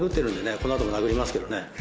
この後も殴りますけどね。